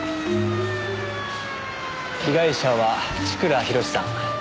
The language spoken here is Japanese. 被害者は千倉博さん。